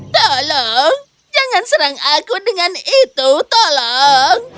tolong jangan serang aku dengan itu tolong